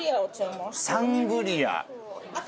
サングリア。